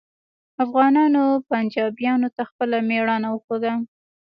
افغانانو پنجابیانو ته خپله میړانه وښوده